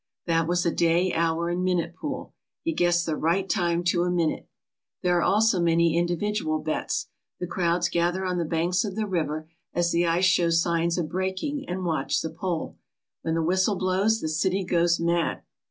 That was a day, hour, and minute pool. He guessed the right time to a minute. There are also many individual bets. The crowds gather on the banks of the river as the ice shows signs of breaking and watch the pole. When the whistle blows the city goes mad.